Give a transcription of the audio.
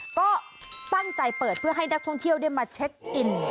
ก็ตั้งใจเปิดเพื่อให้นักท่องเที่ยวได้มาเช็คอิน